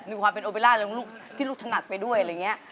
ความเป็นโอเบล่าที่ลูกถนัดไปด้วยอะไรอย่างนี้